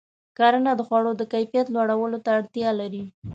کرنه د خوړو د کیفیت لوړولو ته اړتیا لري.